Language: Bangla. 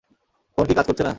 ফোন কি কাজ করছে না?